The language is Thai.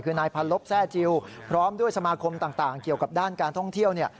คือนายพันลบแทร่จิลพร้อมด้วยสมาคมต่างเกี่ยวกับด้านการท่องเที่ยวเนี่ย